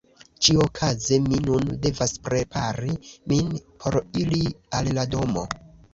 Ĉiuokaze mi nun devas prepari min por iri al la domo.